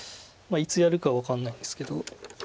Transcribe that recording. いつやるか分かんないんですけど。